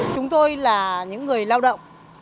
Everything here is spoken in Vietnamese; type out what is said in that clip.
chúng tôi là những người lao động